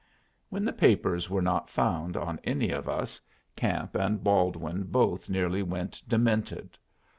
When the papers were not found on any of us, Camp and Baldwin both nearly went demented.